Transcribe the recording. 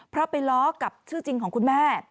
เพราะไปล้อกับชื่อจริงของคุณแม่